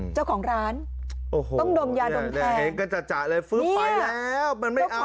เจ้าของร้านโอ้โหต้องดมยาดมแทนแล้วเห็นกันจัดจ่ายเลยฟื้มไปแล้ว